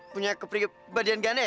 punya kepribadian gane ya